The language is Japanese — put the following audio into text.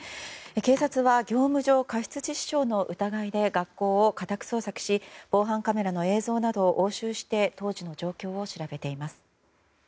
警察は業務上過失致死傷の疑いで学校を家宅捜索し防犯カメラの映像などを押収して当時の状況を調べています。